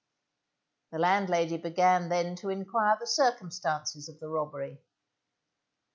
The landlady began then to enquire the circumstances of the robbery.